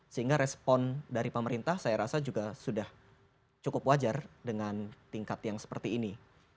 sehingga respon dari pemerintah saya rasa juga sudah cukup wajar dengan tingkat yang seperti ini